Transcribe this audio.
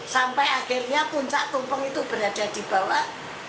sampai akhirnya puncak tumpeng itu berada di bawah